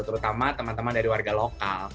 terutama teman teman dari warga lokal